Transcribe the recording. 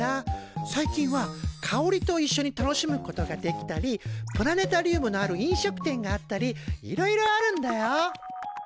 最近は香りといっしょに楽しむことができたりプラネタリウムのある飲食店があったりいろいろあるんだよ。